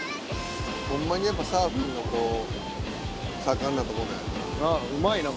ほんまにやっぱサーフィンのこう盛んなとこなんやな。